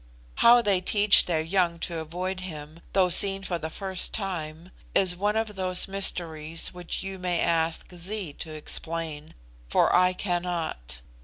How they teach their young to avoid him, though seen for the first time, is one of those mysteries which you may ask Zee to explain, for I cannot.